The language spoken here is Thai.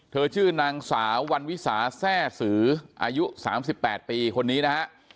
ชื่อนางสาววันวิสาแทร่สืออายุ๓๘ปีคนนี้นะฮะ